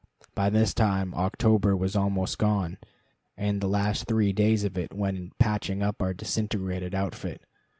By this time October was almost gone, and the last three days of it went in patching up our disintegrated outfit.